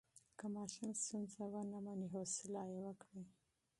که ماشوم ستونزه ونه مني، حوصله یې وکړئ.